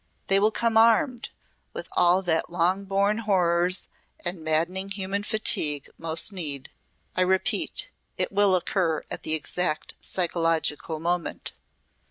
They will come armed with all that long borne horrors and maddening human fatigue most need. I repeat it will occur at the exact psychological moment.